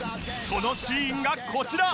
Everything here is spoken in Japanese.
そのシーンがこちら！